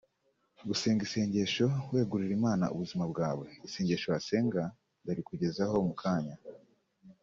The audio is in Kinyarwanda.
Gusenga isengesho wegurira Imana ubuzima bwawe(Isengesho wasenga ndarikugezaho mu kanya)